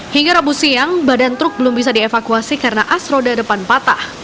hingga rabu siang badan truk belum bisa dievakuasi karena as roda depan patah